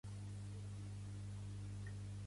Pertany al moviment independentista la Maura?